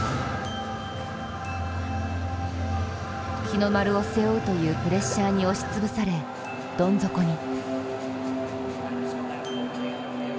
日の丸を背負うというプレッシャーに押し潰されどん底に。